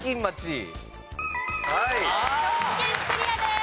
兵庫県クリアです。